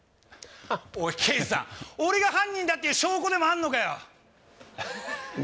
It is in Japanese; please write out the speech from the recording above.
おい刑事さん俺が犯人だっていう証拠でもあんのかよ